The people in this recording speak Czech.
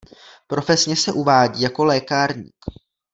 Profesně se uvádí jako lékárník.